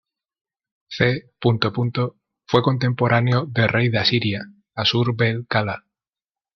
C.. Fue contemporáneo del rey de Asiria, Aššur-bêl-kala.